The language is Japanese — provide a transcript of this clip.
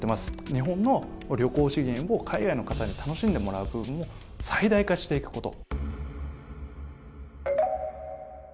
日本の旅行資源を海外の方に楽しんでもらう分を最大化していくこと。